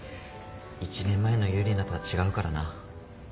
１年前のユリナとは違うからな。